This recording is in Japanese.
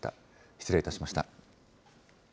失礼いたしました。